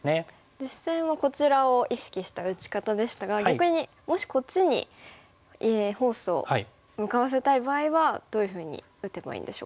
実戦はこちらを意識した打ち方でしたが逆にもしこっちにフォースを向かわせたい場合はどういうふうに打てばいいんでしょうか。